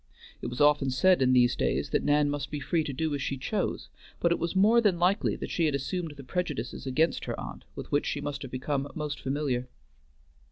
It was often said in these days that Nan must be free to do as she chose, but it was more than likely that she had assumed the prejudices against her aunt with which she must have become most familiar.